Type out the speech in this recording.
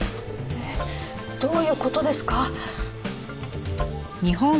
えっどういう事ですか？